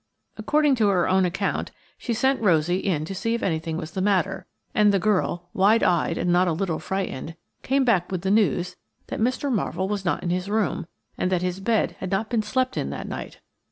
According to her own account, she sent Rosie in to see if anything was the matter, and the girl, wide eyed and not a little frightened, came back with the news that Mr. Marvell was not in his room, and that his bed had not been slept in that night.